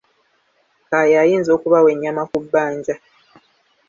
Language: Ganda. Kaaya ayinza okubawa ennyama ku bbanja.